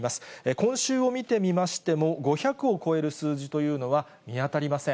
今週を見てみましても、５００を超える数字というのは見当たりません。